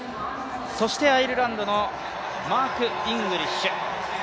そしてアイルランドのマーク・イングリッシュ。